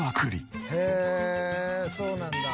へえそうなんだ。